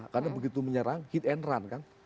karena begitu menyerang hit and run kan